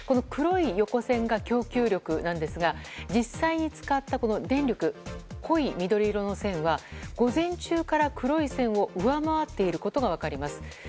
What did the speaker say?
黒い横線が供給力ですが実際に使った電力濃い緑色の線は午前中から黒い線を上回っていることが分かります。